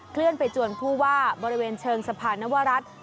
เลื่อนไปจวนผู้ว่าบริเวณเชิงสะพานนวรัฐ